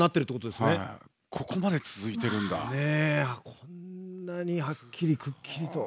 こんなにはっきりくっきりと。